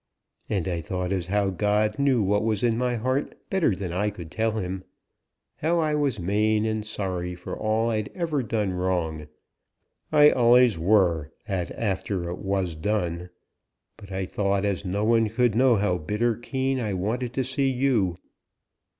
And I thought as how God knew what was in my heart better than I could tell Him: how I was main and sorry for all as I'd ever done wrong; I allays were, at after it was done; but I thought as no one could know how bitter keen I wanted to see you."